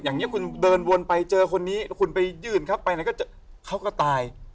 อย่างนี้คุณเดินวนไปเจอคนนี้คุณไปยืนครับไปไหนเขาก็ตาย